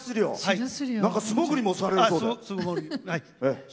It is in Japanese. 素潜りもされるそうで。